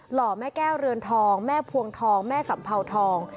ห่อแม่แก้วเรือนทองแม่พวงทองแม่สัมเภาทอง